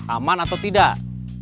aman atau tidak